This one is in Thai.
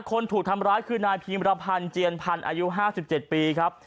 คนถูกทำร้ายคือนายพีมรพันธ์เจียนพันธ์อายุ๕๗ปีครับ